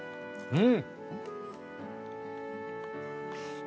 うん。